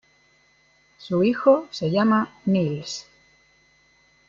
Su hijo se llama Nils.